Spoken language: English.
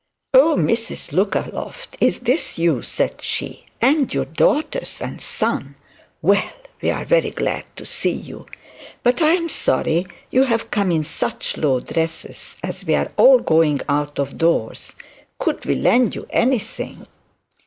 'Oh, Mrs Lookaloft, is this you,' said she; 'and your daughters and son? Well, we're very glad to see you; but I'm sorry you've come in such low dresses, as we are all going out of doors. Could we lend you anything?'